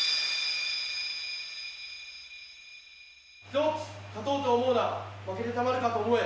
１つ、勝とうと思うな負けてたまるかと思え。